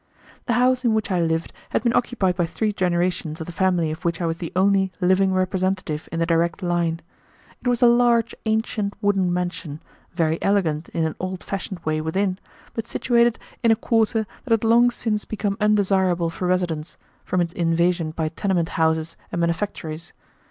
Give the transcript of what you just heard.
The house in which I lived had been occupied by three generations of the family of which I was the only living representative in the direct line. It was a large, ancient wooden mansion, very elegant in an old fashioned way within, but situated in a quarter that had long since become undesirable for residence, from its invasion by tenement houses and manufactories.